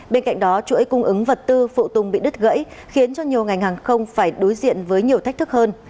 bên cạnh đó chuỗi cung ứng vật tư phụ tùng bị đứt gãy khiến cho nhiều ngành hàng không phải đối diện với nhiều thách thức hơn